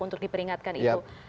untuk diperingatkan itu